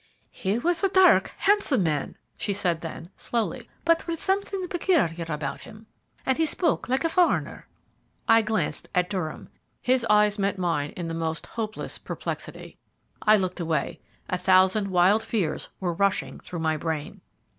"He was a dark, handsome man," she said; then, slowly, "but with something peculiar about him, and he spoke like a foreigner." I glanced at Durham. His eyes met mine in the most hopeless perplexity. I looked away. A thousand wild fears were rushing through my brain.